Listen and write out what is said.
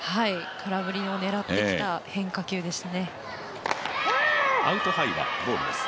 空振りを狙ってきた変化球でした。